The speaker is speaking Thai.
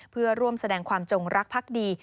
เพื่อร่วมแสดงความจงรักพักดี